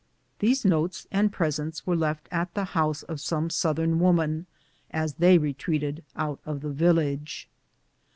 These notes and presents were left at the house of some Southern woman, as they retreated out of the village.